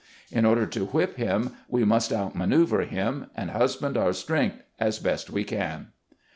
In order to whip him we must outmanoeuver him, and hus band our strength as best we can."